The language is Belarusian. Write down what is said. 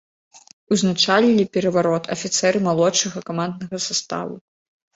Узначалілі пераварот афіцэры малодшага каманднага саставу.